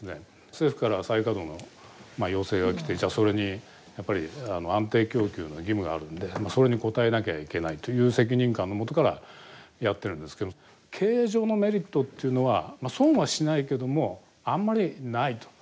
政府から再稼働の要請が来てそれにやっぱり安定供給の義務があるんでそれに応えなきゃいけないという責任感のもとからやってるんですけど経営上のメリットっていうのはまあ損はしないけどもあんまりないと。